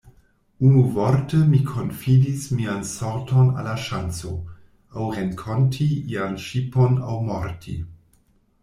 Unuvorte, mi konfidis mian sorton al la ŝanco; aŭ renkonti ian ŝipon aŭ morti.